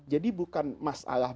jadi bukan masalah